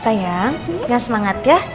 sayang semangat ya